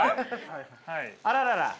あららら。